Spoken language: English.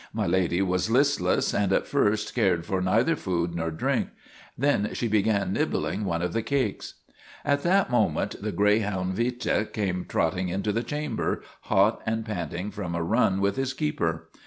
My Lady was listless and at first cared for neither food nor drink. Then she began nibbling one of the cakes. At that moment the greyhound Vite came trot ting into the chamber, hot and panting from a run with his keeper.